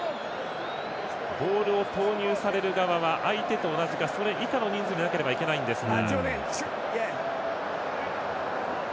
ボールを投入される側は相手と同じか、それ以下の人数でなければいけないんですが。